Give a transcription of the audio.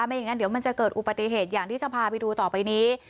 ไม่อย่างนั้นเดี๋ยวมันจะเกิดอุบัติเหตุอย่างที่จะพาไปดูต่อไปนี้